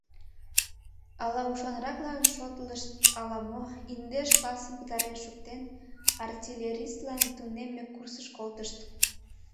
Ала ушанраклан шотлышт, ала-мо — индеш классым пытарен шуктен, артиллеристлан тунемме курсыш колтышт.